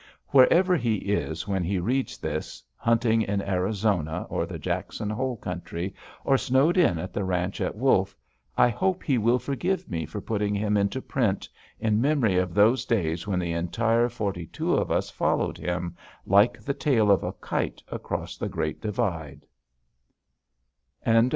Wherever he is when he reads this, hunting in Arizona or the Jackson Hole country, or snowed in at the ranch at Wolf, I hope he will forgive me for putting him into print, in memory of those days when the entire forty two of us followed him, like the tail of a kite, across the Great Divide.